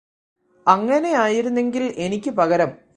അങ്ങനെയായിരുന്നെങ്കില് എനിക്ക് പകരം